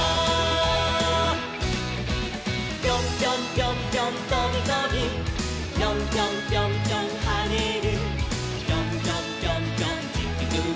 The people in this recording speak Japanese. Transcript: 「ぴょんぴょんぴょんぴょんとびとび」「ぴょんぴょんぴょんぴょんはねる」「ぴょんぴょんぴょんぴょんちきゅうを」